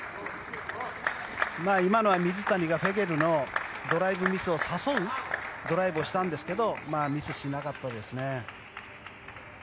今のは水谷がフェゲルのドライブミスを誘うドライブをしたんですけどミスをしなかったんですね。